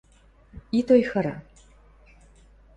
Ит ойхыры!